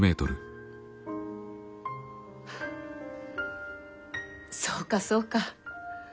フそうかそうか。